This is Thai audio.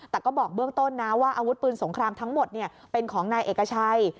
แต่ก็บอกเบื้องต้นนะว่าอาวุธปืนสงครามทั้งหมดเป็นของนายเอกชัย